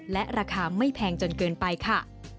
และราคาไม่แพงจนเกินไปค่ะ